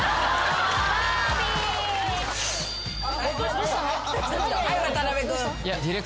どうしたの？